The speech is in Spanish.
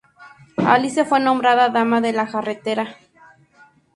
Alice fue nombrada Dama de la Jarretera.